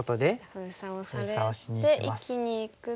封鎖をされて生きにいくと。